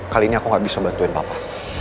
kali ini aku gak bisa bantuin papa